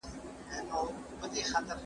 ته بايد خپل وخت په سمه توګه مديريت کړې.